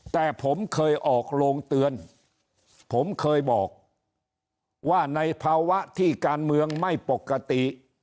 แต่ผมเคยออกโรงเตือนผมเคยบอกว่าในภาวะที่การเมืองไม่ปกติ